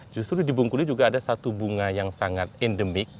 justru di bung kulu juga ada satu bunga yang sangat indemis